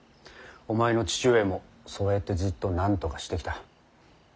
お前の父上もそうやってずっとなんとかしてきた。